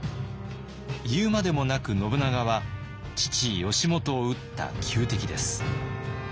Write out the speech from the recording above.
言うまでもなく信長は父義元を討った仇敵です。